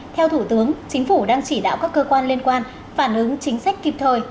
theo thủ tướng chính phủ đang chỉ đạo các cơ quan liên quan phản ứng chính sách kịp thời